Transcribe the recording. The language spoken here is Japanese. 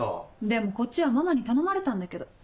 でもこっちはママに頼まれたんだけど。